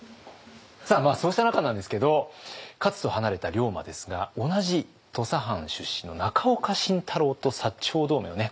そうした中なんですけど勝と離れた龍馬ですが同じ土佐藩出身の中岡慎太郎と長同盟をね